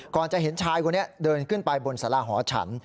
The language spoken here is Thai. จะเห็นชายคนนี้เดินขึ้นไปบนสาราหอฉัน